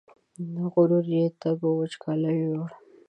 غرور یې تږو وچکالیو یووړ